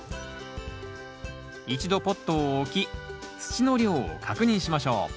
一度ポットを置き土の量を確認しましょう